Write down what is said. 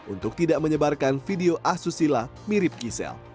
untuk tidak menyebarkan video asosial mirip kisela